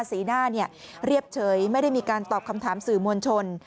สีหน้าเรียบเฉยไม่ได้มีการตอบคำถามสื่อมวลชน